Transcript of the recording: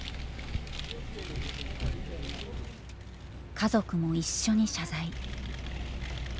家族も一緒に謝罪。